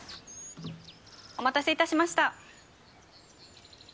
お待たせいたしました。